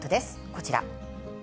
こちら。